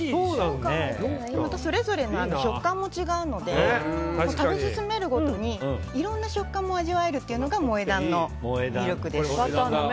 それぞれの食感も違うので食べ進めるごとにいろんな食感も味わえるというのが萌え断の魅力です。